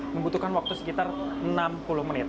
membutuhkan waktu sekitar enam puluh menit